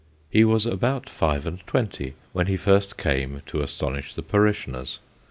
He was about five and twenty when he first came to astonish the parishioners.